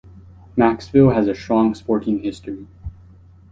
Macksville has a strong sporting history.